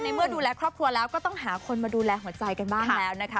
เมื่อดูแลครอบครัวแล้วก็ต้องหาคนมาดูแลหัวใจกันบ้างแล้วนะคะ